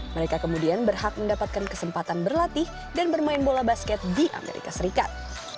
mereka kemudian berhak mendapatkan kesempatan berlatih dan bermain bola basket di amerika serikat